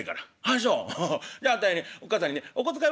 「あそうじゃあたいねおっ母さんにねお小遣い